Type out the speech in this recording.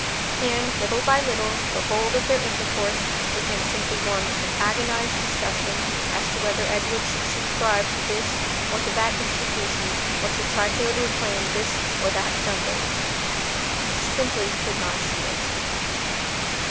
And, little by little, the whole of their intercourse became simply one of agonized discussion as to whether Edward should subscribe to this or that institution or should try to reclaim this or that drunkard. She simply could not see it.